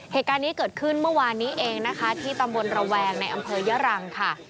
เหตุการณ์นี้เกิดขึ้นเมื่อวานนี้เองนะคะที่ตำบลระแวงในอำเภอยะรังค่ะ